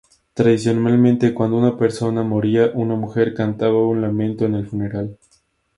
Tradicionalmente, cuando una persona moría, una mujer cantaba un lamento en el funeral.